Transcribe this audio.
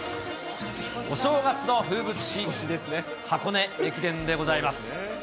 お正月の風物詩、箱根駅伝でございます。